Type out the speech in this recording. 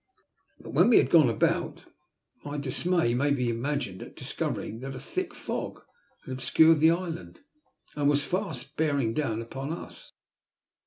But when we had gone dbout, my dismay may be imagined at discovering that a thick fog had obscured the island, and was fast bearing down upon us.